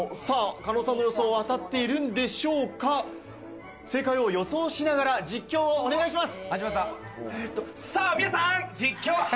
狩野さんの予想は当たっているんでしょうか、正解を予想しながら実況をお願いします。